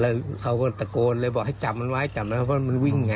แล้วเขาก็ตะโกนเลยบอกให้จับมันไว้จับแล้วเพราะมันวิ่งไง